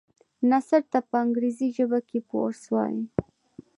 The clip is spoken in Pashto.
نثر ته په انګريزي ژبه کي Prose وايي.